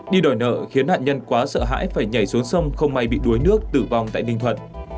đi đòi nợ khiến nạn nhân quá sợ hãi phải nhảy xuống sông không may bị đuối nước tử vong tại ninh thuận